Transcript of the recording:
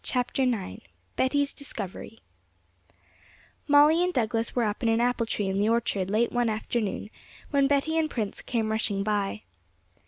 CHAPTER IX Betty's Discovery Molly and Douglas were up in an apple tree in the orchard late one afternoon, when Betty and Prince came rushing by.